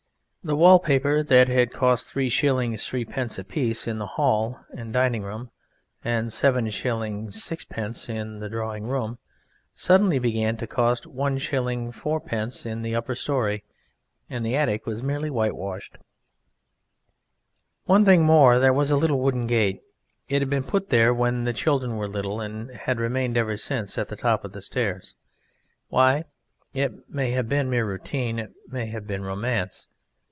The wall paper, that had cost 3_s_. 3_d_. a piece in the hall and dining room, and 7_s_. 6_d_. in the drawing room, suddenly began to cost 1_s_. 4_d_. in the upper story and the attic was merely whitewashed. One thing more there was, a little wooden gate. It had been put there when the children were little, and had remained ever since at the top of the stairs. Why? It may have been mere routine. It may have been romance.